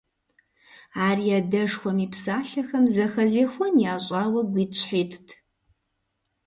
Ар и адэшхуэм и псалъэхэм зэхэзехуэн ящӀауэ, гуитӀщхьитӀт…